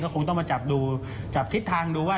ก็คงต้องมาจับทิศทางดูว่า